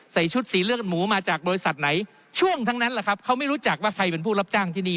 ใส่ชุดสีเลือดหมูมาจากบริษัทไหนช่วงทั้งนั้นแหละครับเขาไม่รู้จักว่าใครเป็นผู้รับจ้างที่นี่